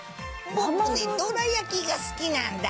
どら焼きが好きなんだ。